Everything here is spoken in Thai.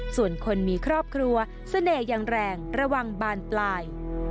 ส่วนคนมีครอบครัวเสน่ห์อย่างแรงระวังบานปลาย